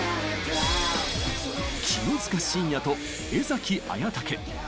清塚信也と江文武。